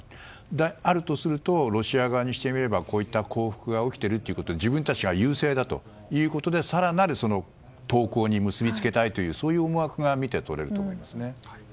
であるとするとロシア側にすればこういった降伏が起きているということで自分たちが優勢だということで更なる投降に結び付けたいというそういう思惑が見て取れると思いますね。